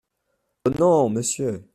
Oh ! non, Monsieur.